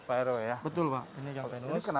pak ero ya